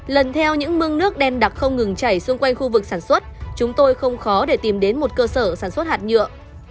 lần theo những mương nước đen đặc không ngừng chảy xung quanh khu vực sản xuất chúng tôi không khó để tìm đến một cơ sở sản xuất hạt nhựa